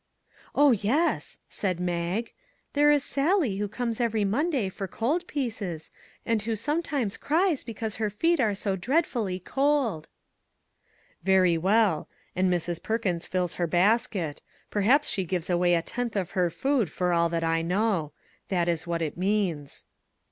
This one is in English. "Oh, yes," said Mag; "there is Sally who comes every Monday for cold pieces, and who sometimes cries because her feet are so dread fully cold." " Very well ; and Mrs. Perkins fills her basket; perhaps she gives away a tenth of her food, for all that I know. That is what it means."